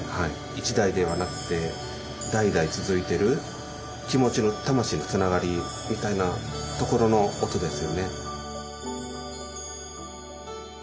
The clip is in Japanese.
一代ではなくて代々続いてる気持ちの魂のつながりみたいなところの音ですよね。